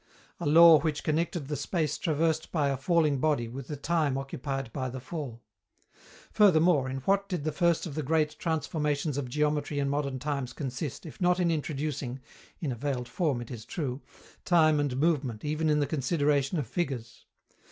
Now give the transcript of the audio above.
A law which connected the space traversed by a falling body with the time occupied by the fall. Furthermore, in what did the first of the great transformations of geometry in modern times consist, if not in introducing in a veiled form, it is true time and movement even in the consideration of figures?